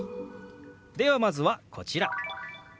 ではまずはこちら。